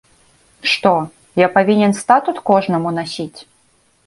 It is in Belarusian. Што, я павінен статут кожнаму насіць?